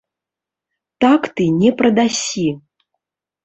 Так ты не прадасі!